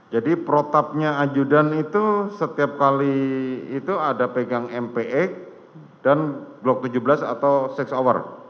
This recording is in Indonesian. jadi protapnya ajudan itu setiap kali itu ada pegang mpx dan glock tujuh belas atau enam hour